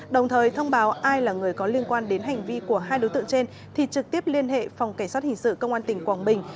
đồng thời thông báo ai là người có liên quan đến hành vi của hai đối tượng trên thì trực tiếp liên hệ phòng cảnh sát hình sự công an tỉnh quảng bình